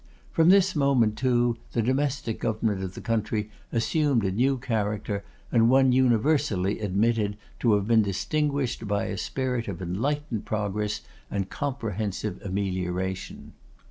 From this moment, too, the domestic government of the country assumed a new character, and one universally admitted to have been distinguished by a spirit of enlightened progress and comprehensive amelioration.